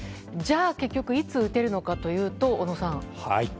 じゃあ結局いつ打てるのかというと小野さん。